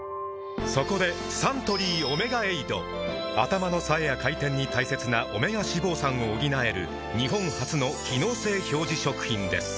そこでサントリー「オメガエイド」頭の冴えや回転に大切なオメガ脂肪酸を補える日本初の機能性表示食品です